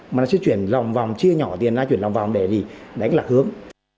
mà nó sẽ chuyển lòng vòng chia nhỏ tiền ra chuyển lòng vòng để đánh lạc hướng